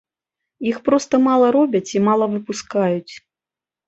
Іх проста мала робяць і мала выпускаюць.